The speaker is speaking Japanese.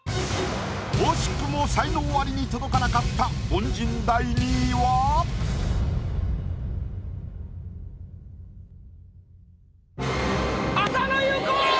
惜しくも才能アリに届かなかった浅野ゆう子！